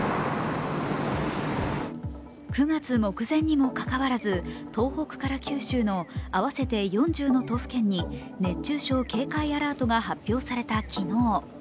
９月目前にもかかわらず、東北から九州の合わせて４０の都府県に熱中症警戒アラートが発表された昨日。